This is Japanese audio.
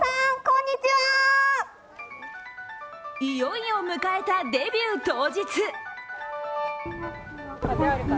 いよいよ迎えたデビュー当日。